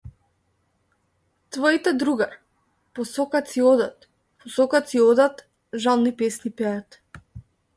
Твоите другар, по сокаци одат, по сокаци одат, жални песни пеат.